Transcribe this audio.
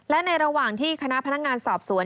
และในระหว่างที่คณะพนักงานสอบสวน